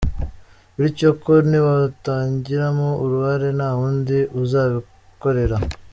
Bityo ko nibatabigiramo uruhare nta wundi uzabibakorera.